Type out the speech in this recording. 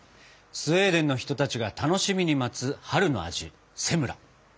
スウェーデンの人たちが楽しみに待つ春の味セムラ。